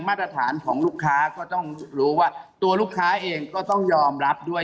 มาตรฐานของลูกค้าก็ต้องรู้ว่าตัวลูกค้าเองก็ต้องยอมรับด้วย